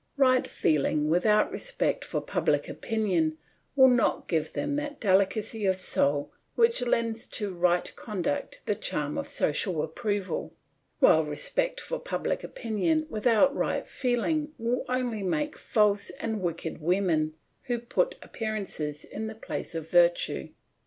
Right feeling without respect for public opinion will not give them that delicacy of soul which lends to right conduct the charm of social approval; while respect for public opinion without right feeling will only make false and wicked women who put appearances in the place of virtue.